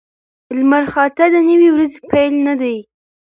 لمرخاته د نوې ورځې پیل نه دی.